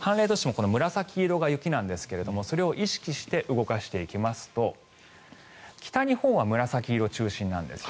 紫色が雪なんですがそれを意識して動かしていきますと北日本は紫色中心なんですね。